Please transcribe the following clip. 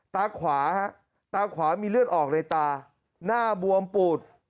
ตาขวาฮะตาขวามีเลือดออกในตาหน้าบวมปูด